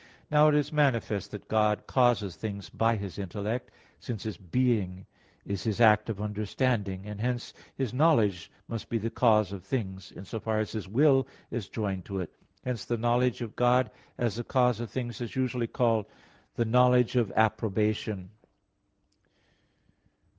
Now it is manifest that God causes things by His intellect, since His being is His act of understanding; and hence His knowledge must be the cause of things, in so far as His will is joined to it. Hence the knowledge of God as the cause of things is usually called the "knowledge of approbation."